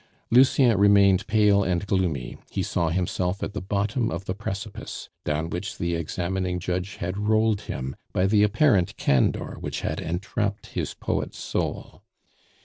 Lucien remained pale and gloomy; he saw himself at the bottom of the precipice, down which the examining judge had rolled him by the apparent candor which had entrapped his poet's soul.